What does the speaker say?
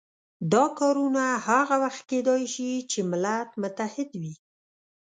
دا کارونه هغه وخت کېدای شي چې ملت متحد وي.